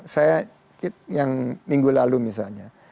saya yang minggu lalu misalnya